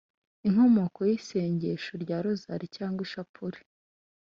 inkomoko y’isengesho rya rozali cyangwa ishapule